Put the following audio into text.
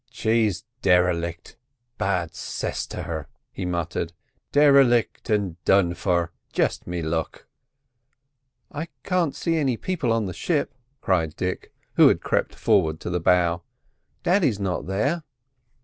"She's derelick, bad cess to her!" he muttered; "derelick and done for—just me luck!" "I can't see any people on the ship," cried Dick, who had crept forward to the bow. "Daddy's not there."